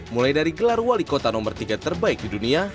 mulai dari gelar wali kota nomor tiga terbaik di dunia